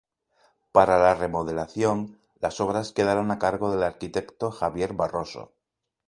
Para la remodelación, las obras quedaron a cargo del arquitecto Javier Barroso.